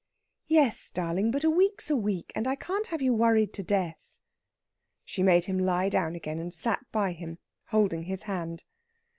"Yes, darling; but a week's a week, and I can't have you worried to death." She made him lie down again, and sat by him, holding his hand.